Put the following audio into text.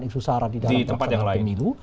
isu sara di dalam pelaksanaan pemilu